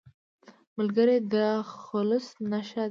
ملګری د خلوص نښه ده